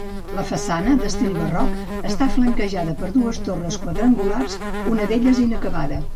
La façana, d'estil barroc, està flanquejada per dues torres quadrangulars, una d'elles inacabada.